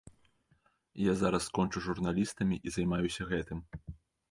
Я зараз скончу з журналістамі і займаюся гэтым.